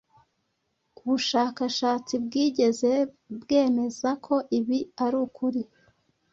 ubushakashatsi bwigeze bwemeza ko ibi ari ukuri,